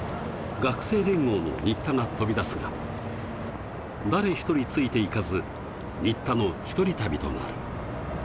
学生連合の新田が飛び出すが、誰１人ついていかず、新田の１人旅となる。